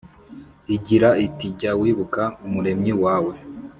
igira iti jya wibuka Umuremyi wawe